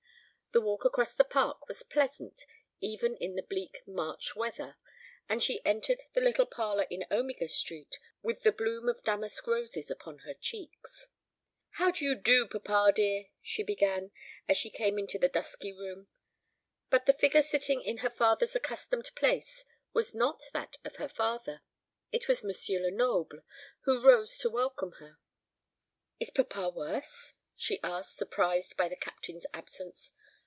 The walk across the Park was pleasant even in the bleak March weather, and she entered the little parlour in Omega Street with the bloom of damask roses upon her cheeks. "How do you do, papa dear?" she began, as she came into the dusky room; but the figure sitting in her father's accustomed place was not that of her father. It was M. Lenoble, who rose to welcome her. "Is papa worse?" she asked, surprised by the Captain's absence.